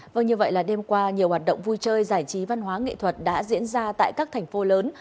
vâng như vậy là đêm qua nhiều hoạt động vui chơi giải trí văn hóa nghệ thuật đã diễn ra tại các thành phố lớn